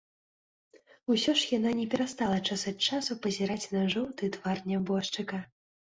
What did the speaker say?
Усё ж яна не перастала час ад часу пазіраць на жоўты твар нябожчыка.